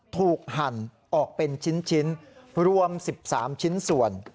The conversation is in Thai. หั่นออกเป็นชิ้นรวม๑๓ชิ้นส่วน